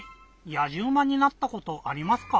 やじうまになったことありますか？